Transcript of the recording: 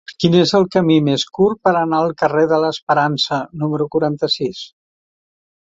Quin és el camí més curt per anar al carrer de l'Esperança número quaranta-sis?